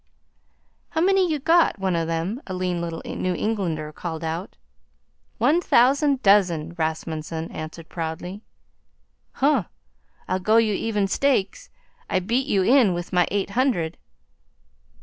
'How many you got?" one of them, a lean little New Englander, called out. "One thousand dozen," Rasmunsen answered proudly. "Huh! I'll go you even stakes I beat you in with my eight hundred."